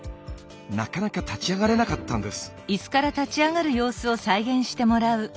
なかなか立ち上がれなかったんです。